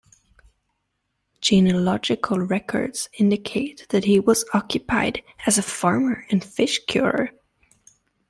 Genealogical records indicate that he was occupied as a farmer and fish curer.